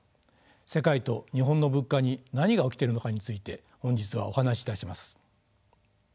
世界と日本の物価に何が起きてるのかについて本日はお話しいたします。